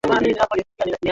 Siku zimekuwa nyingi sana.